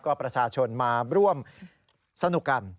ก็ประชาชนมาร่วมสนุกกัน